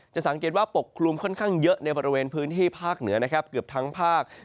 สังเกตว่าปกคลุมค่อนข้างเยอะในบริเวณพื้นที่ภาคเหนือนะครับเกือบทั้งภาค